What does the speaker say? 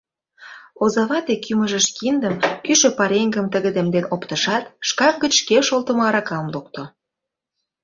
Озавате кӱмыжыш киндым, кӱшӧ пареҥгым тыгыдемден оптышат, шкаф гыч шке шолтымо аракам лукто.